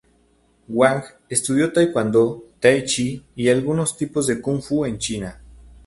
Hwang estudió Taekwondo, Tai chi y algunos tipos de Kung Fu en China.